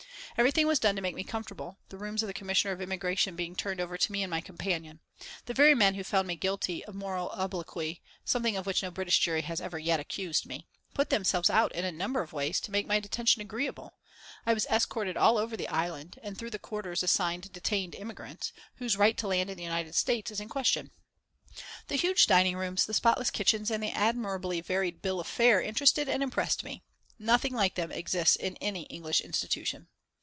Everything was done to make me comfortable, the rooms of the Commissioner of Immigration being turned over to me and my companion. The very men who found me guilty of moral obloquy something of which no British jury has ever yet accused me put themselves out in a number of ways to make my detention agreeable. I was escorted all over the Island and through the quarters assigned detained immigrants, whose right to land in the United States is in question. The huge dining rooms, the spotless kitchens and the admirably varied bill of fare interested and impressed me. Nothing like them exists in any English institution.